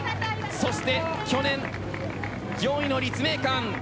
そして去年４位の立命館。